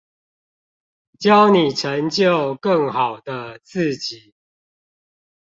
教你成就更好的自己